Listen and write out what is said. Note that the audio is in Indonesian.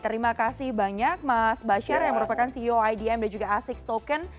terima kasih banyak mas basyar yang merupakan ceo idm dan juga asiks token